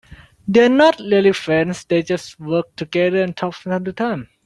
They are not really friends, they just work together and talk from time to time.